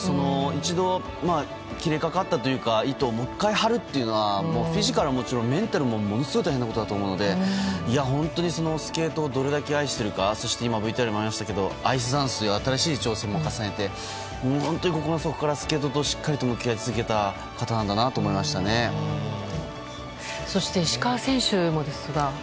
一度切れかかった糸をもう１回張るというのはフィジカルはもちろんメンタルも大変だと思うので本当にスケートをどれだけ愛していたかＶＴＲでもありましたけどアイスダンスという新しい挑戦を重ねて本当に心の底からスケートと向き合った方なんだなとそして石川選手もですが。